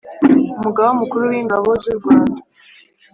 Umugaba Mukuru w Ingabo z u Rwanda